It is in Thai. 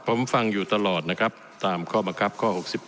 ผมฟังอยู่ตลอดนะครับตามข้อบังคับข้อ๖๑